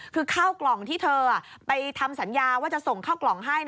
คือข้าวกล่องที่เธอไปทำสัญญาว่าจะส่งเข้ากล่องให้